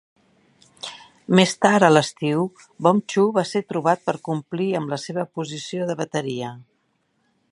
Més tard a l'estiu, Bonb-Chu va ser trobat per complir amb la seva posició de bateria.